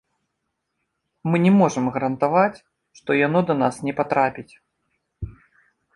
Мы не можам гарантаваць, што яно да нас не патрапіць.